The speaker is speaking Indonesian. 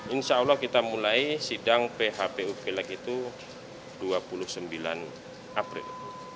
insya allah kita mulai sidang phpu pilek itu dua puluh sembilan april